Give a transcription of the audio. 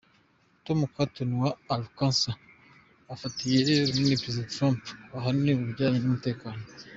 Tom Cotton wa Arkansas ufatiye runini Perezida Trump ahanini mu bijyanye n’umutekano.